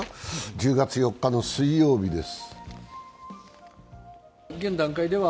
１０月４日の水曜日です。